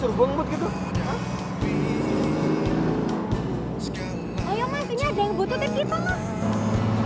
cepetan dikit aja lah jalannya